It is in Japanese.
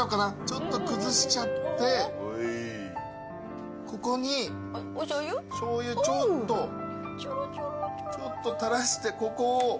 ちょっと崩しちゃってここに醤油ちょっとちょっと垂らしてここを。